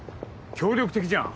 協力的じゃん。